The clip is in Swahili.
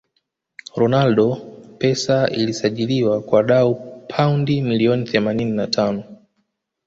ronaldo pesa ilisajiriwa kwa dau paundi milioni themanini ma tano